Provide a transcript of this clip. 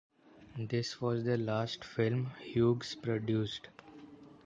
This was the last film Hughes produced.